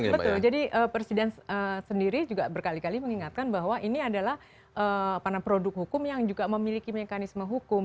betul jadi presiden sendiri juga berkali kali mengingatkan bahwa ini adalah produk hukum yang juga memiliki mekanisme hukum